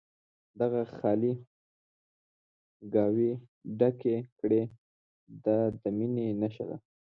دغه خالي ګاوې ډکې کړي دا د مینې نښه ده.